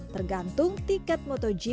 tergantung tiket motogp yang terdapat